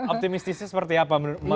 optimistisnya seperti apa menurut